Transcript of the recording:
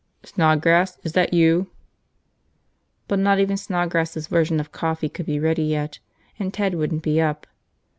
"Snodgrass? Is that you?" But not even Snodgrass' version of coffee could be ready yet. And Ted wouldn't be up.